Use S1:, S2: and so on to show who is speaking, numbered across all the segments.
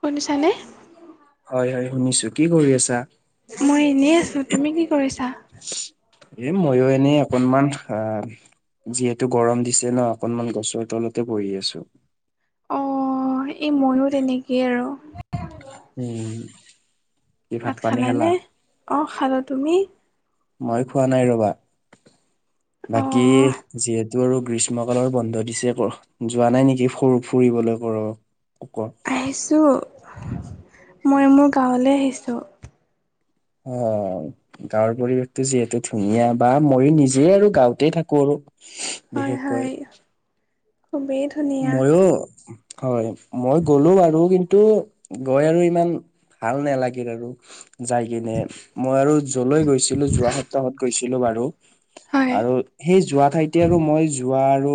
S1: শুনিছানে?
S2: হয় হয় শুনিছো কি কৰি আছা?
S1: মই এনেই আছো তুমি কি কৰিছা?
S2: এ ময়ো এনেই অকনমান আহ যিহেতু গৰম দিছে ন অকনমান গছৰ তলতে পৰি আছো।
S1: অঁ', এই ময়ো তেনেকেই আৰু।
S2: উম। কি
S1: ভাত
S2: পানী খালা
S1: খালানে অঁ', খালা তুমি?
S2: মই খোৱা নাই ৰবা বাকী
S1: অ'
S2: যিহেতু আৰু গ্ৰীষ্ম মকালৰ বন্ধ দিছে যোৱা নাই নেকি ফ ফুৰিবলৈ কৰ ক
S1: আহিছোঁ মই মোৰ গাঁৱলৈ আহিছোঁ।
S2: অ'। গাঁৱৰ পৰিৱেশটো যিহেতু ধুনীয়া বা ময়ো নিজে আৰু গাঁওঁতে থাকো আৰু।
S1: হয়
S2: বিশেষকৈ
S1: হয় খুবেই ধুনীয়া।
S2: ময়ো হয় মই গলো আৰু কিন্তু গৈ আৰু ইমান ভাল নালাগিল আৰু। যাই কিনে মই আৰু য'লৈ গৈছিলো যোৱা সপ্তাহত গৈছিলো বাৰু
S1: হয়,
S2: আৰু সেই যোৱা ঠাইতে আৰু মই যোৱা আৰু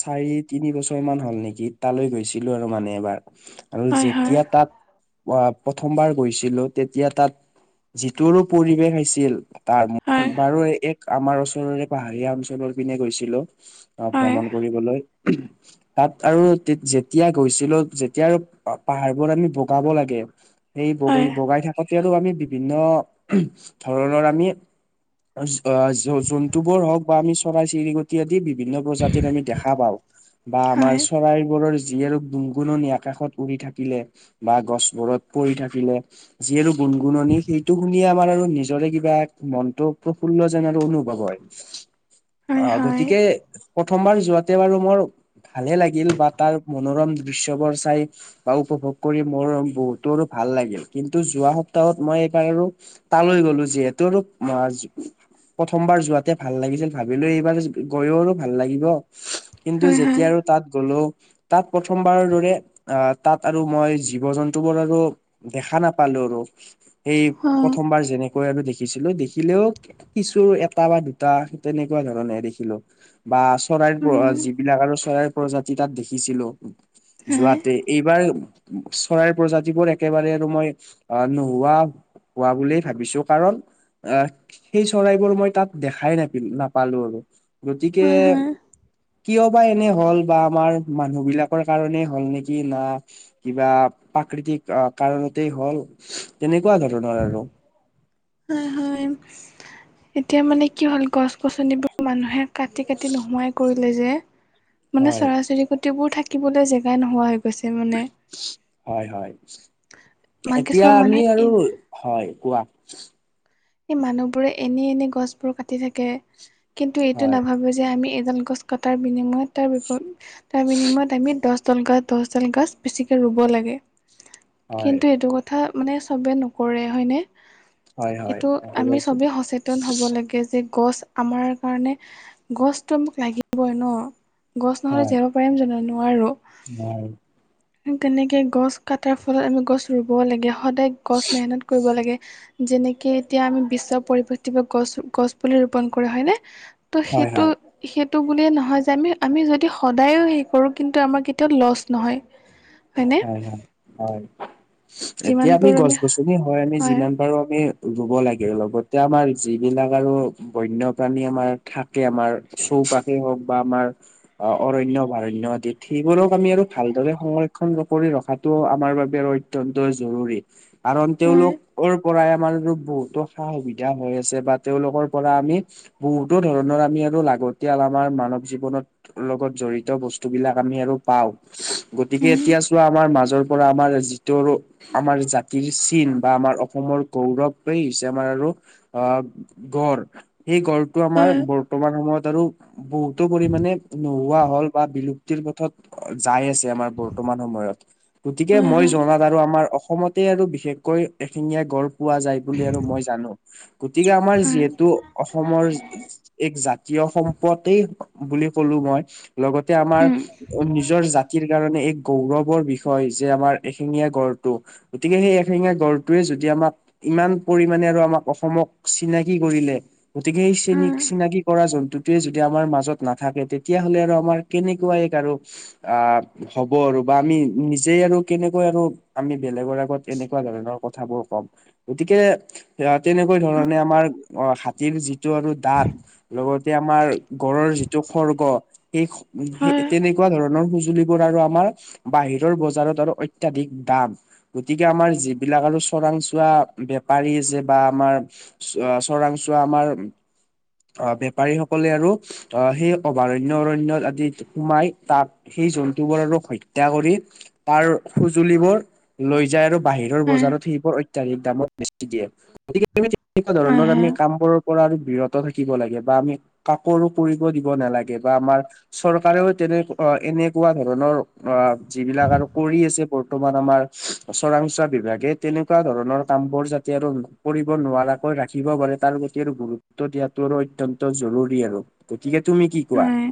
S2: চাৰিত তিনি বছৰ মান হ'ল নেকি তালৈ গৈছিলো আৰু মানে এবাৰ আৰু
S1: হয়, হয়,
S2: যেতিয়া তাত অ প্ৰথমবাৰ গৈছিলো তেতিয়া তাত যিটোৰো পৰিৱেশ আছিল। তাৰ মই
S1: হয়,
S2: বাৰু এক আমাৰ ওচৰৰে পাহাৰীয়া অঞ্চলৰ পিনে গৈছিলো আহ
S1: হয়,
S2: ভ্ৰমণ কৰিবলৈ। তাত আৰু যেতিয়া গৈছিলো যেতিয়া আৰু পাহাৰবোৰ আমি বগাব লাগে সেই
S1: হয়,
S2: বগী বগাই থাকোতে আৰু আমি বিভিন্ন ধৰণৰ আমি জন্তু বোৰ হওঁক বা আমি চৰাই চিৰিকটি আদি বিভিন্ন প্ৰজাতিক আমি দেখা পাওঁ বা আমাৰ
S1: হয়।
S2: চৰাইবোৰৰ যি আৰু গুণগুণনি আকাশত উৰি থাকিলে বা গছবোৰত পৰি থাকিলে। যি আৰু গুণ গুণনি সেইটো শুনিয়ে আমাৰ আৰু নিজৰে কিবা মনটো প্ৰফুল্ল যেন আৰু অনুভৱ হয়।
S1: হয়,
S2: অ',
S1: হয়,
S2: গতিকে প্ৰথমবাৰ যোৱাতে বাৰু মোৰ ভালে লাগিল বা তাৰ মনোৰম দৃশ্যবোৰ চাই বা উপভোগ কৰি মোৰ বহুতো আৰু ভাল লাগিল কিন্তু যোৱা সপ্তাহত মই এইবাৰ আৰু তালৈ গলো যিহেতু আৰু [unintelligible] প্ৰথমবাৰ যোৱাতে ভাল লাগিছিল ভাবিলো এইবাৰ গৈয়ো ভাল লাগিব কিন্তু
S1: হয়, হয়,
S2: যেতিয়া আৰু তাত গ'লো তাত প্ৰথমবাৰৰ দৰে আহ তাত আৰু মই জীৱ জন্তু বোৰ আৰু দেখা নাপালো আৰু সেই
S1: হয়,
S2: প্ৰথমবাৰ যেনেক কৈ আৰু দেখিছিলো দেখিলেও কিছু এটা বা দুটা তেনেকুৱা ধৰণে দেখিলো। বা চৰাইৰ
S1: উম, হয়,
S2: যিবিলাক আৰু চৰাইৰ প্ৰজাতি তাত দেখিছিলো।
S1: হয়,
S2: যোৱাতে এইবাৰ চৰাইৰ প্ৰজাতিবোৰ একেবাৰে আৰু মই আহ নোহোৱা হোৱা বুলিয়ে ভাবিছো কাৰণ আহ সেই চৰাইবোৰ মই তাত দেখাই নাপো নাপালো আৰু গতিকে
S1: হয়।
S2: কিয় বা এনে হ'ল বা আমাৰ মানুহ বিলাকৰ কাৰণে হ'ল নেকি না কিবা প্ৰাকৃতিক কাৰণতেই হ'ল তেনেকুৱা ধৰণৰ আৰু।
S1: হয়, হয়, এতিয়া মানে কি হ'ল গছ গছনিবোৰ মানুহে কাটি কাটি নোহোৱাই কৰিলে যে মানে
S2: হয়,
S1: চৰাই চিৰিকটিবোৰ থাকিবলৈ জেগাই নোহোৱা হৈ গৈছে মানে
S2: হয়, হয়,
S1: মান
S2: এতিয়া
S1: কিছুমান
S2: আমি
S1: মানুহে এ
S2: আৰু হয় কোৱা।
S1: এই মানুহবোৰে এনে এনে গছবোৰ কাটি থাকে কিন্তু এইটো
S2: হয়,
S1: নাভাবে যে আমি এডাল গছ কটাৰ বিনিময়ত তাৰ তাৰ বিনিময়ত আমি দহ [unintelligible] দাল গছ বেছিকে ৰুব লাগে।
S2: হয়,
S1: মানে চবে নকৰে হয়নে?
S2: হয়, হয়,
S1: এইটো আমি
S2: একেবাৰে ঠিক
S1: সবেই সচেতন হ'ব লাগে যে গছ আমাৰ কাৰণে গছটো আমাক লাগিবই ন' গছ নহ'লে
S2: হয়,
S1: যে পাৰিম জানো নোৱাৰোঁ।
S2: হয়।
S1: তেনেকে গছ কাটাৰ ফলত আমি গছ ৰুব লাগে সদায় গছ মেহনত কৰিব লাগে যেনেক এতিয়া আমি বিশ্ব পৰিৱেশ গছ গছ পুলি ৰোপন কৰা হয়নে? ত'
S2: হয়,
S1: সেইটো।
S2: হয়,
S1: সেইটো বুলিয়ে নহয় যে আমি আমি যদি সদায়ো হেৰি কৰোঁ কিন্তু আমাৰ কেতিয়াও লছ নহয়।
S2: [unintelligible]
S1: হয়নে?
S2: হয়, হয়, হয়,
S1: যিমান
S2: এতিয়া আমি
S1: পাৰোঁ
S2: গছ গছনি হয় আমি যিমান পাৰো আমি ৰুব লাগে লগতে আমাৰ যিবিলাক আৰু বন্যপ্ৰাণী আমাৰ থাকে আমাৰ চৌপাশে হওক বা আমাৰ অৰণ্য ভাৰণ্য আদি সেইবোৰক আমি আৰু ভালদৰে সংৰক্ষ কৰি ৰখাটো আমাৰ বাবে অত্যন্ত জৰুৰী কাৰণ
S1: হয়
S2: তেওঁলোকৰ পৰাই আমাৰ বহুতো সা সুবিধা হৈ আছে বা তেওঁলোকৰ পৰা আমি বহুতো ধৰণৰ আমি আৰু লাগতিয়াল আমাৰ মানৱ জীৱনত লগত জড়িত বস্তু বিলাক আমি আৰু পাওঁ গতিকে
S1: উম
S2: এতিয়া চোৱা আমাৰ মাজৰ পৰা আমাৰ যিটো আমাৰ জাতিৰ চিন বা আমাৰ অসমৰ গৌৰৱেই হৈছে আমাৰ আৰু আহ গৰ এই গড়টো আমাৰ
S1: হয়।
S2: বৰ্তমান সময়ত আৰু বহুতো পৰিমানে নোহোৱা হল বা বিলু পথত যাই আছে আমাৰ বৰ্তমান সময়ত গতিকে
S1: হয়
S2: মই
S1: হয়
S2: জনাত আৰু আমাৰ অসমতে আৰু বিশেষকৈ এখেঙীয়া গড় পোৱা যায় বুলি আৰু মই জানো গতিকে আমাৰ
S1: হয়
S2: যিহেতু অসমৰ এক জাতীয় সম্পদ বুলি কলো মই লগতে আমাৰ
S1: উম
S2: নিজৰ জাতিৰ কাৰণে এক গৌৰৱৰ বিষয় যে আমাৰ এশেঙীয়া গড়টো গতিকে সেই এশেঙীয়া গড়টোৱে যদি আমা ইমান পৰিমানে আৰু আমাক অসমক চিনাকি কৰিলে গতিকে এই চিনিক
S1: হয়
S2: চিনাকি কৰা জন্তু যদি আমাৰ মাজত নাথাকে তেতিয়া হলে আৰু আমাৰ কেনেকুৱা এক আৰু আ হ'ব আৰু বা আমি নিজে আৰু কেনেকৈ আৰু আমি বেলেগৰ আগত এনেকুৱা ধৰণৰ কথাবোৰ ক'ম। গতিকে এ তেনেকুৱা ধৰণে আমাৰ হাতীৰ যিটো আৰু দাঁত লগতে আমাৰ গড়ৰ যিটো খৰ্গ সেই
S1: হয়
S2: উ তেনেকুৱা ধৰণৰ সুজলিবোৰ আৰু আমাৰ বাহিৰৰ বজাৰত আৰু অত্যাধিক দাম গতিকে আমাৰ যিবিলাক আৰু চোৰাংচোৱা বেপাৰী আচে বা আমাৰ চোৱা চৰাং চোৱা আমাৰ আহ বেপাৰীসকলে আৰু আহ সেই অভয়াৰণ্য অৰণ্য আদিত সোমাই তাত সেই জন্তু বোৰ আৰু হত্যা কৰি তাৰ সজুলিবোৰ লৈ যায় আৰু বাহিৰৰ
S1: হয়
S2: বজাৰত সেইবোৰ দামত বেছি দিয়ে গতিকে তেনেকুৱা
S1: হয়
S2: ধৰণৰ আমি
S1: হয়
S2: কাম বোৰ পৰা আৰু বিৰত থাকিব লাগে বা আমি কাকো আৰু কৰিব দিব নালাগে বা আমাৰ চৰকাৰেও তেনেক অ' এনেকুৱা ধৰণৰ অ' যিবিলাক আৰু কৰি আছে বৰ্তমান আমাৰ চৰাংচোৱা বিভাগে তেনেকুৱা ধৰণৰ কাম বোৰ যাতে আৰু কৰিব নোৱাৰাকৈ ৰাখিব পাৰে তাৰ প্ৰতি আৰু গুৰুত্ব গুৰুত্ব দিয়াতটো আৰু অত্যয়ন্ত জৰুৰী আৰু, গতিকে তুমি কি কোৱা?
S1: হয়।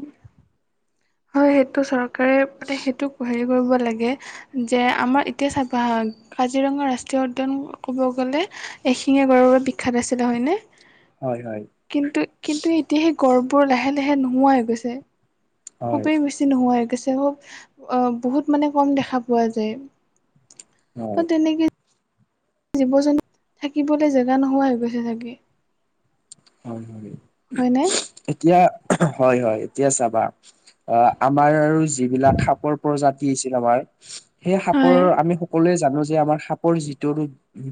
S1: হয় সেইটো চৰকাৰে এ সেইটো হেৰি কৰিব লাগে যে আমাৰ এতিয়া চাব হা কাজিৰঙা ৰাষ্ট্ৰীয় উদ্যান ক'ব গ'লে এশিঙীয়া গড়ৰ বিখ্যাত আছিলে হয়নে?
S2: হয় হয়।
S1: কিন্তু কিন্তু এতিয়া সেই গড়বোৰ লাহে লাহে নোহোৱাই হৈ গৈছে।
S2: হয়
S1: খুবেই বেছি নোহোৱা গৈছে খুব বহুত মানে কম দেখা পোৱা যায়।
S2: হয়
S1: অ' তেনেকে জীৱ জন্তু থাকিবলৈ জেগা নোহোৱা হৈ গৈছে চাগে।
S2: হয় হয়।
S1: হয়নে?
S2: এতিয়া হয় হয় এতিয়া চাবা অ' আমাৰ আৰু যিবিলাক খাপৰ প্ৰজাতি আছিল আমাৰ সেই সাপৰ
S1: হয়
S2: আমি সকলোৱে জানো যে আমাৰ সাপৰ যিটোপ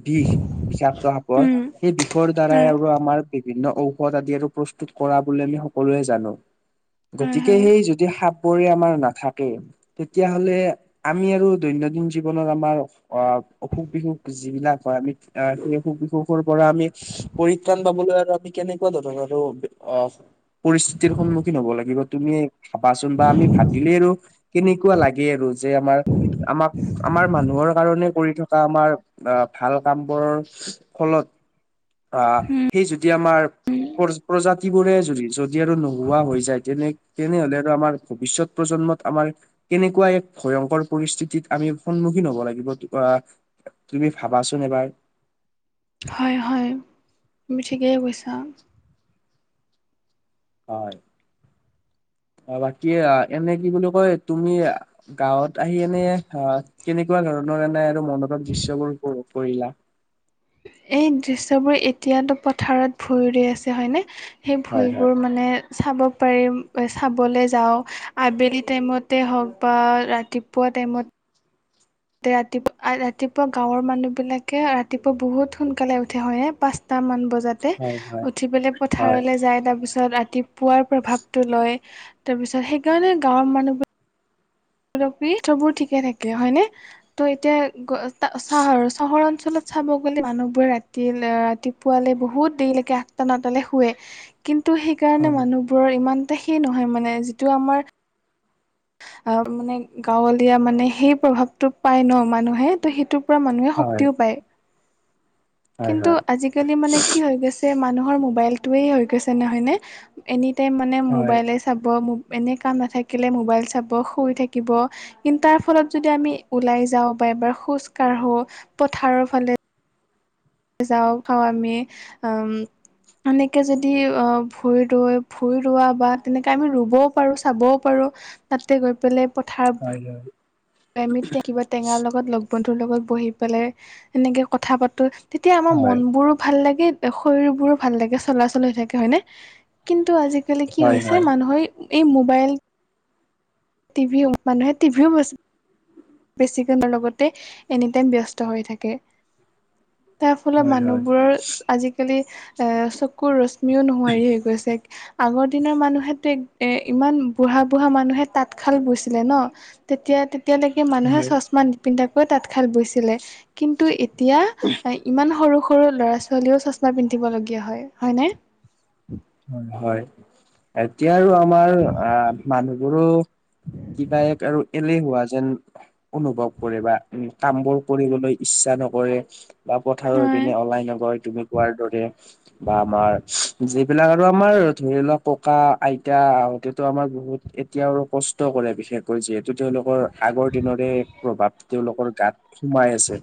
S2: বিষ বিষাক্ত সাপৰ,
S1: উম
S2: সেই বিষৰ দ্বাৰাই
S1: হয়
S2: আৰু আমাৰ বিভিন্ন ঔষধ আদি আৰু প্ৰস্তুত কৰা বুলি আমি সকলোৱে জানো।
S1: হয় হয়
S2: গতিকে
S1: হয়
S2: সেই যদি সাপ বৰে আমাৰ নাথাকে তেতিয়াহলে আমি আৰু দৈনন্দিন জীৱনত আমাৰ অ' অসুখ বিসুখ যিবিলাক হয় আমি আহ সেই অসুখ বিসুখৰ পৰা আমি পৰিত্ৰাণ পাবলৈ আমি কেনেকুৱা ধৰণৰ আৰু অ' পৰিস্থিতিৰ সন্মুখীন হব লাগিব তুমি ভাবাচোন বা আমি ভাবিলে আৰু কেনেকুৱা লাগে আৰু যে আমাৰ আমাক আমাৰ মানুহৰ কাৰণে কৰি থকা বা আমাৰ ভাল কামবোৰৰ ফলত আ
S1: উম
S2: সেই যদি আমাৰ প্ৰ-প্ৰজাতি বোৰে যদি যদি আৰু নোহোৱা হৈ যায় তেনে তেনেহলে আৰু আমাৰ ভৱিষ্যত প্ৰজন্মত আমাৰ কেনেকুৱা এক ভয়ংকৰ পৰিস্থিতিত আমি সন্মুখীন হব লাগিব আহ তুমি ভাবাচোন এবাৰ।
S1: হয় হয়, তুমি ঠিকেই কৈছা।
S2: হয়, অ' বাকী এনে কি বুলি কয় তুমি গাঁৱত আহি এনে অ' কেনেকুৱা ধৰণৰ এনে আৰু মনত দৃশ্যবোৰ উপভোগ কৰিলা?
S1: এই দৃশ্যবোৰ এতিয়াতো পথাৰত ভূঁই ৰুই আছে হয়নে। সেই
S2: হয় হয়
S1: ভূঁইবোৰ মানে চাব পাৰিম চাবলৈ যাওঁ আবেলি টাইমতে হওক বা ৰাতিপুৱা টাইমত। ৰাতিপুৱা ৰাতিপুৱা গাঁৱৰ মানুহ বিলাকে ৰাতিপুৱা বহুত সোনকালে উঠে হয়ে পাঁচটা মান বজাত।
S2: হয়
S1: যাতে উঠি পেলে
S2: হয়
S1: পথাৰলৈ যাই তাৰ পিছ ছত ৰাতিপুৱাৰ প্ৰভাৱটো লয় তাৰপিছত সেইকাৰণে গাঁৱৰ মানুহবোৰ [unintelligible] বোৰ ঠিকে থাকে হয়নে ত' এতিয়া চাহৰ চাহৰ অঞ্চলত চাব গ'লে মানুহবোৰে ৰাতি ৰাতি পোৱালে বহুত দেৰিলৈকে আঠটা নটালে শুৱে। কিন্তু সেইকাৰণে
S2: হয়
S1: মানুহবোৰৰ ইমান এটা সেই নহয় মানে যিটো আমাৰ আহ মানে গাঁৱলীয়া মানে সেই প্ৰভাৱটো পাই ন মানুহে ত সেইটো পৰা মানুহে
S2: হয় হয়
S1: শক্তিও পায়।
S2: হয়
S1: কিন্তু
S2: হয়
S1: আজিকালি মানে কি হৈ গৈছে মানুহৰ মোবাইলটোয়েই হৈ গৈছে নহয় নে? এনিটাইম মানে মোবাইলে চাব এনে কাম নাথাকিলে মোবাইল চাব শুই থাকিব। কিন্তু তাৰ ফলত যদি আমি ওলাই যাওঁ বা এবাৰ খোজ কাঢ়ো পথাৰৰ ফালে যাওঁ খাওঁ আমি এনেকৈ যদি ভূই ৰৈ ভূই ৰোৱা বা তেনেকৈ আমি ৰুবও পাৰোঁ চাবও পাৰোঁ। তাতে গৈ পেলাই পথাৰত
S2: হয়
S1: কিবা টেঙাৰ লগত লগ বন্ধুৰ লগত বহি পেলাই এনেকে কথা পাতো তেতিয়া আমাৰ
S2: হয়
S1: মনবোৰো ভাল লাগে। শৰীৰবোৰো ভাল লাগে চলাচল হৈ থাকে হয়নে? কিন্তু আজিকালি কি
S2: হয় হয়
S1: হৈছে
S2: হয় হয়
S1: মানুহৰ এই মোবাইল টিভিও মানুহে টিভিও বেছিক লগতে এনিটাইম ব্যস্ত হৈ থাকে। তাৰ ফলত
S2: হয়
S1: মানুহবোৰৰ আজিকালি চকুৰ ৰশ্মিও নোহোৱাৰি হৈ গৈছে। আগৰ দিনৰ মানুহেতো এ ইমান বুঢ়া বুঢ়া মানুহে তাত তাতঁ শাল বৈছিলে ন তেতিয়া-তেতিয়ালৈকে মানুহে
S2: হয়
S1: চচমা পিন্ধাকৈ তাতঁ শাল বৈছিলে। কিন্তু এতিয়া ইমান সৰু সৰু সৰু ল'ৰা ছোৱালীও চচমা পিন্ধিবলগীয়া হয় হয়নে?
S2: হয় হয় এতিয়া আৰু আমাৰ আহ মানুহবোৰো কিবা এ আৰু এলেহুৱা যেন অনুভৱ কৰে বা উম কামবোৰ কৰিবলৈ ইচ্ছা নকৰে। বা পথাৰৰ
S1: হয়
S2: পিনে ওলাই নগৈ তুমি কোৱাৰ দৰে বা আমাৰ যি এইবিলাক আৰু আমাৰ ধৰি লোৱাক ককা আইতাহঁতেতো আমাৰ বহুত এতিয়া আৰু কষ্ট কৰে বিশেষকৈ যিহেতু তেওঁলোকৰ আগৰ দিনৰে প্ৰভাৱ তেওঁলোকৰ গাত সোমাই আছে।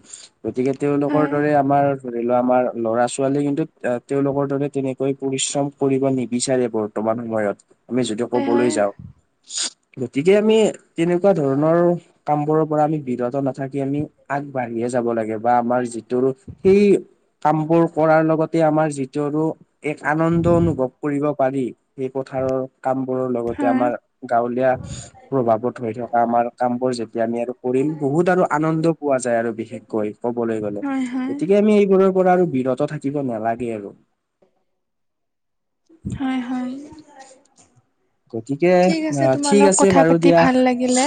S2: গতিকে তেওঁলোকৰ
S1: হয়
S2: দৰে আমাৰ ধৰি লোৱা আমাৰ ল'ৰা ছোৱালী কিন্তু তেওঁলোকৰ দৰে তেনেকৈ পৰিশ্ৰম কৰিব নিবিচাৰে বৰ্তমান সময়ত আমি যদিও কবলৈ
S1: হয়
S2: যাওঁ। গতিকে আমি তেনেকুৱা ধৰণৰ কামবোৰৰ পৰা আমি বিৰত নাথাকি আমি আগবাঢ়িয়ে যাব লাগে বা আমাৰ যি সেই কামবোৰ কৰাৰ লগতে আমাৰ যিটো আৰু এক আনন্দ অনুভৱ কৰিব পাৰি সেই পথাৰৰ কামবোৰৰ
S1: হয়
S2: লগতে
S1: হয়
S2: আমাৰ গাঁওলীয়া প্ৰভাৱত হৈ থকা আমাৰ কামবোৰ যেতিয়া আমি আৰু কৰিম বহুত আৰু আনন্দ পোৱা যায় আৰু বিশেষকৈ ক'বলৈ গ'লে
S1: হয় হয়
S2: গতিকে আমি এইবোৰৰ পৰা আৰু বিৰত থাকিব নালাগে আৰু।
S1: হয়, হয়।
S2: গতিকে
S1: ঠিক আছে,
S2: আহ
S1: তোমাৰ
S2: ঠিক
S1: লগত
S2: আছে
S1: কথা
S2: বাৰু
S1: পাতি
S2: দিয়া
S1: ভাল লাগিলে।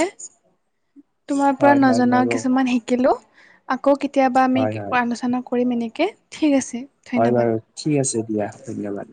S1: তোমাৰ পৰা
S2: হয় হয়
S1: নজনাও
S2: মোৰো
S1: কিছুমান শিকিলো। আকৌ কেতিয়াবা আমি
S2: হয় হয়
S1: আলোচনা কৰিম এনেকৈ ঠিক আছে।
S2: হয়
S1: ধন্যবাদ
S2: বাৰু ঠিক আছে দিয়া ধন্যবাদ।